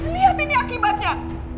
lihat ini akibatnya